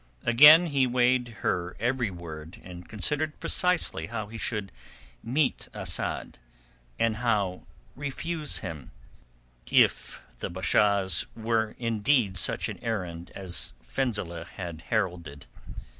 Again he weighed her every word and considered precisely how he should meet Asad, and how refuse him, if the Basha's were indeed such an errand as Fenzileh had heralded.